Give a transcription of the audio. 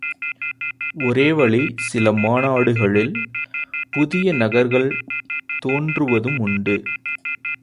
ஒரோவழி சில மாநாடுகளில் புதிய நகர்கள் தோன்றுவதும் உண்டு.